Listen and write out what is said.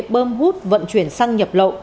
bơm hút vận chuyển xăng nhập lộ